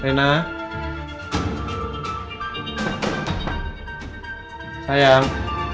saya sudah effect pengen buat bareng